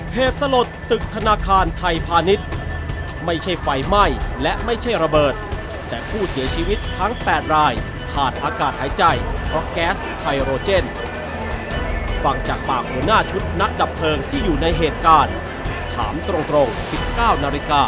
เหตุสลดตึกธนาคารไทยพาณิชย์ไม่ใช่ไฟไหม้และไม่ใช่ระเบิดแต่ผู้เสียชีวิตทั้ง๘รายขาดอากาศหายใจเพราะแก๊สไทโรเจนฟังจากปากหัวหน้าชุดนักดับเพลิงที่อยู่ในเหตุการณ์ถามตรง๑๙นาฬิกา